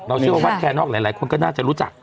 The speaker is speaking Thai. เชื่อว่าวัดแคนนอกหลายคนก็น่าจะรู้จัก